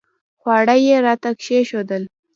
خواړه یې راته کښېښودل.